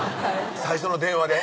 最初の電話で？